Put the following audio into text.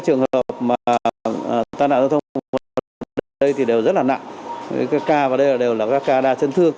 trong đó đặc biệt nặng là những ca đa chấn thương